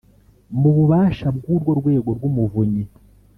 mu bubasha bw’urwo rwego rw’Umuvunyi